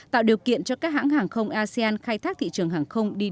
tạo điều kiện cho các hãng hàng không asean khai thác thị trường hàng không đi